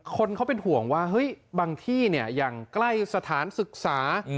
คนเขาเป็นห่วงว่าเฮ้ยบางที่เนี่ยอย่างใกล้สถานศึกษา